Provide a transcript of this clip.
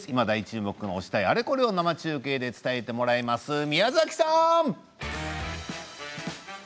大注目の推したいあれこれを生中継で伝えてもらいます宮崎さん。